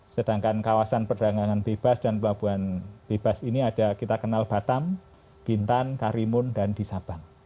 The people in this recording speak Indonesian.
sedangkan kawasan perdagangan bebas dan pelabuhan bebas ini ada kita kenal batam bintan karimun dan di sabang